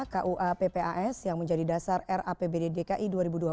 kuappas yang menjadi dasar rapbd dki dua ribu dua puluh